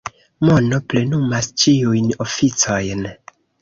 Mono plenumas ĉiujn oficojn.